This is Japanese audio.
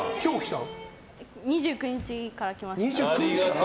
２９日から来ました。